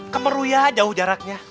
kemeru ya jauh jaraknya